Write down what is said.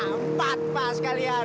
empat pak sekalian